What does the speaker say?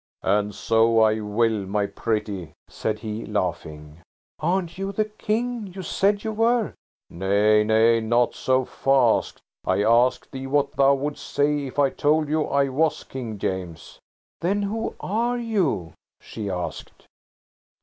"And so I will, my pretty," said he, laughing. "Aren't you the King? You said you were." "Nay, nay–not so fast. I asked thee what thou wouldst say if I told you I was King James." "Then who are you?" she asked.